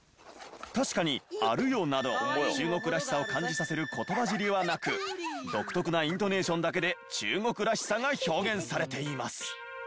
確かに「アルヨ」など中国らしさを感じさせる言葉尻はなく独特なイントネーションだけで中国らしさが表現されています。